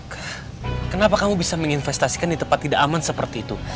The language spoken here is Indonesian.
kenapa kamu bisa menginvestasikan di tempat tidak aman seperti itu